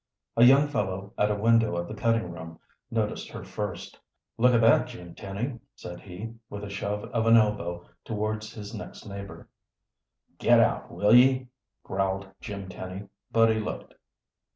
A young fellow at a window of the cutting room noticed her first. "Look at that, Jim Tenny," said he, with a shove of an elbow towards his next neighbor. "Get out, will ye?" growled Jim Tenny, but he looked.